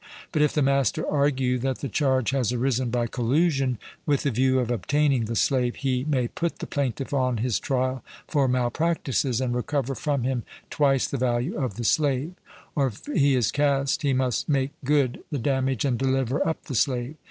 But if the master argue that the charge has arisen by collusion, with the view of obtaining the slave, he may put the plaintiff on his trial for malpractices, and recover from him twice the value of the slave; or if he is cast he must make good the damage and deliver up the slave.